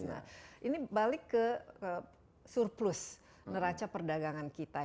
nah ini balik ke surplus neraca perdagangan kita